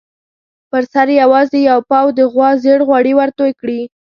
پر سر یې یوازې یو پاو د غوا زېړ غوړي ورتوی کړي.